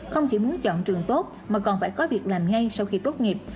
không chỉ muốn chọn trường tốt mà còn phải có việc làm ngay sau khi tốt nghiệp